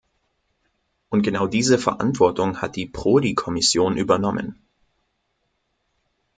Und genau diese Verantwortung hat die Prodi-Kommission übernommen.